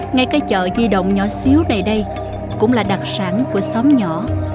ngay cái chợ di động nhỏ xíu này đây cũng là đặc sản của xóm nhỏ